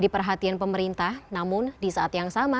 sehat buat kita semua